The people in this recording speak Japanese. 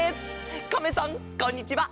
カメさんこんにちは。